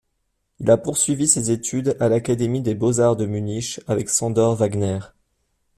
Il a poursuivi ses études à l'Académie des beaux-arts de Munich avec Sandor Wagner.